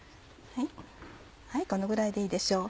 このぐらいでいいでしょう。